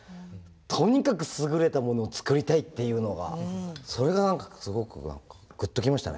とにかく優れたものをつくりたいっていうのがそれが何かすごく何かグッときましたね